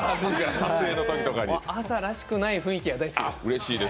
朝らしくない雰囲気が大好きです。